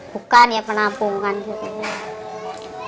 bukan ya penampungan gitu